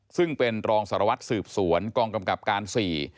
ซึ่งเป็นรองสารวัตรสืบสวนกองกำกับการสี่